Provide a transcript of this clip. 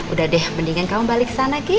udah deh mendingan kamu balik kesana ki